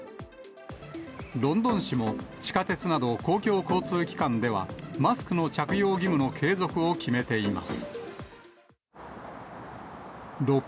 ロンドン市も地下鉄など公共交通機関では、マスクの着用義務の継続を決めています。